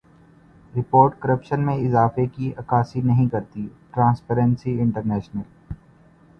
report corruption میں اضافے کی عکاسی نہیں کرتی ٹرانسپیرنسی انٹرنیشنل